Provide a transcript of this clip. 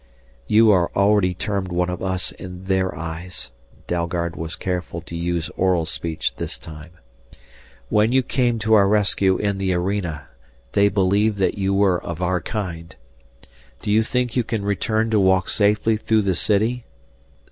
"You are already termed one of us in their eyes," Dalgard was careful to use oral speech this time. "When you came to our rescue in the arena they believed that you were of our kind. Do you think you can return to walk safely through the city?